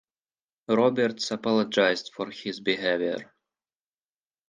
Roberts apologised for his behaviour.